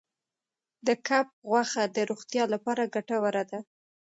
د کب غوښه د روغتیا لپاره ګټوره ده.